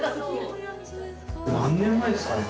何年前ですかね？